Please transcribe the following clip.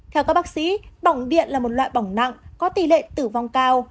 theo các bác sĩ bỏng điện là một loại bỏng nặng có tỷ lệ tử vong cao